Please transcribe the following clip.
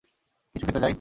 কিছু খেতে যাই?